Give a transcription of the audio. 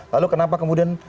lalu kenapa kemudian